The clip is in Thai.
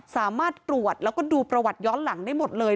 สามารถตรวจแล้วก็ดูประวัติย้อนหลังได้หมดเลย